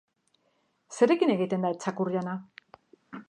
Zerekin egiten da txakur-jana?